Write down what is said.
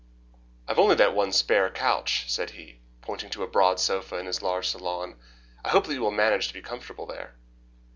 "I have only that one spare couch," said he, pointing to a broad sofa in his large salon; "I hope that you will manage to be comfortable there."